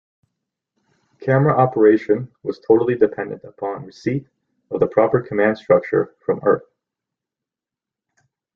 Camera operation was totally dependent upon receipt of the proper command structure from earth.